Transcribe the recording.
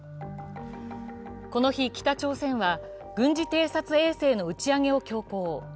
この日、北朝鮮は軍事偵察衛星の打ち上げを強行。